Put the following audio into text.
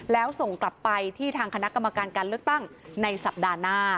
แล้วส่งกลับไปที่ทางคณะกรรมการการเลือกตั้งในสัปดาห์หน้า